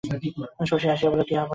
শশী হাসিয়া বলিল, কী আবার হল তোমার?